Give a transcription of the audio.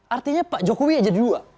artinya pak jokowi jadi dua